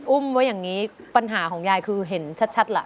อุ้มไว้อย่างนี้ปัญหาของยายคือเห็นชัดล่ะ